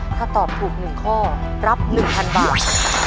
ถ้าตอบถูก๑ข้อรับ๑๐๐๐บาท